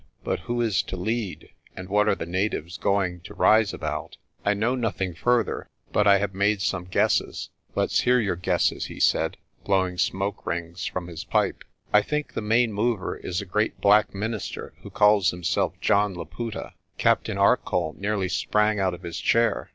But who is to lead, and what are the natives going to rise about? ' "I know nothing further, but I have made some guesses." "Let's hear your guesses," he said, blowing smoke rings from his pipe. "I think the main mover is a great black minister who calls himself John Laputa." Captain Arcoll nearly sprang out of his chair.